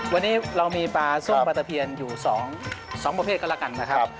วันนี้เรามีปลาส้มปลาตะเพียนอยู่๒ประเภทก็แล้วกันนะครับ